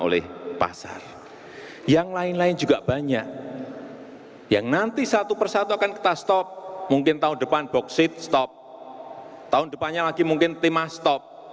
dan sekali lagi saya mengucapkan selamat dari ulang tahun